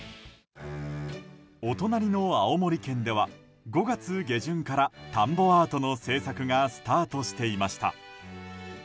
お隣の青森県では５月下旬から田んぼアートの制作がスタートしていました。